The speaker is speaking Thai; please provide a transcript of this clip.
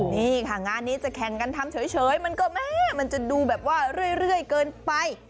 นี่ค่ะงานนี้จะแข่งกันทำเฉยมันก็แม่มันจะดูแบบว่าเรื่อยเกินไป